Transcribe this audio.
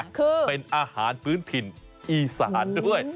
คือเป็นอาหารพื้นถิ่นอีสานด้วย